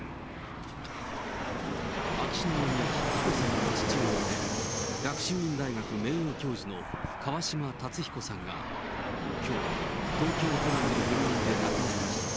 秋篠宮妃紀子さまの父親で、学習院大学名誉教授の川嶋辰彦さんが、きょう、東京都内の病院で亡くなりました。